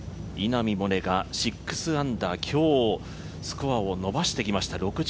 稲見萌寧が６アンダー、今日、スコアを伸ばしてきました。